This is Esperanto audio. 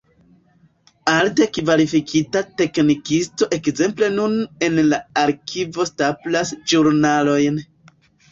Alte kvalifikita teknikisto ekzemple nun en la arkivo staplas ĵurnalojn.